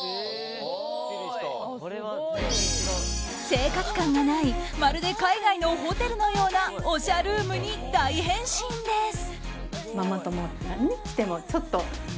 生活感がないまるで海外のホテルのようなおしゃルームに大変身です。